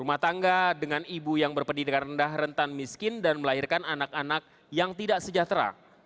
rumah tangga dengan ibu yang berpendidikan rendah rentan miskin dan melahirkan anak anak yang tidak sejahtera